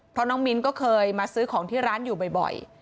เพราะน้องมิ้นก็เคยมาซื้อของที่ร้านอยู่บ่อย